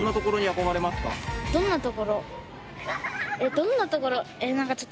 どんなところえっ